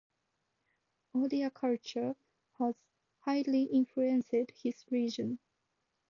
Odia culture has highly influenced this region.